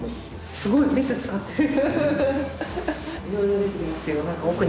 すごいメス使ってる。